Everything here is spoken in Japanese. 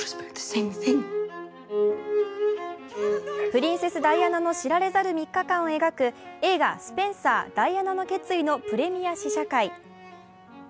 プリンセス・ダイアナの知られざる３日間を描く映画「スペンサーダイアナの決意」のプレミア試写会。